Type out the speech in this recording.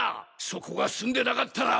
そこが済んでなかったら。